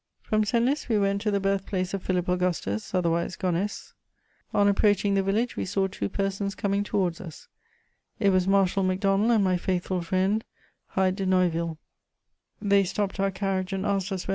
From Senlis we went to the birth place of Philip Augustus, otherwise Gonesse. On approaching the village we saw two persons coming towards us: it was Marshal Macdonald and my faithful friend Hyde de Neuville. They stopped our carriage and asked us where M.